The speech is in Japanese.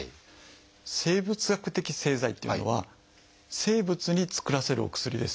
生物学的製剤っていうのは生物に作らせるお薬です。